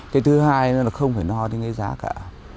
cái thứ hai là không phải no đến cái giá cả